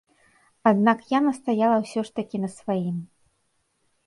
Аднак я настаяла ўсё ж такі на сваім.